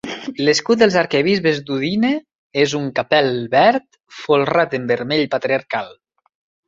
L'escut dels arquebisbes d'Udine és un capel verd, folrat en vermell patriarcal.